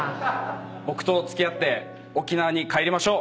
僕と付き合って沖縄に帰りましょう。